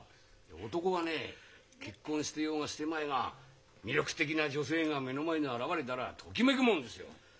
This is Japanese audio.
男はね結婚してようがしてまいが魅力的な女性が目の前に現れたらときめくもんですよ！